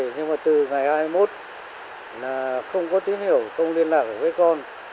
nhưng mà từ ngày hai mươi một là không có tín hiểu không liên lạc với con